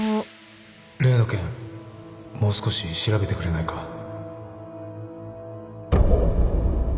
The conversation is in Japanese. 例の件もう少し調べてくれないか？